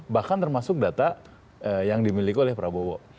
bahkan termasuk data yang dimiliki oleh prabowo